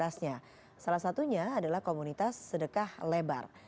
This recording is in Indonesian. salah satunya adalah komunitas sedekah lebar